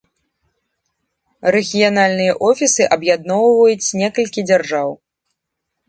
Рэгіянальныя офісы аб'ядноўваюць некалькі дзяржаў.